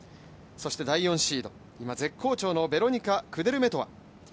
そして第４シード、今絶好調のベロニカ・クデルメトワ。